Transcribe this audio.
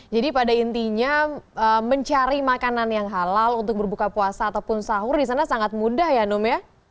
pada intinya mencari makanan yang halal untuk berbuka puasa ataupun sahur di sana sangat mudah ya num ya